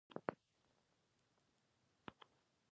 په بدخشان کې شاه عبدالله د عبدالله انحصار ته رایې نه پرېږدي.